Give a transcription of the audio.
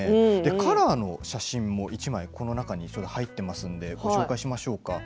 カラーの写真も１枚この中に入っていますのでご紹介します。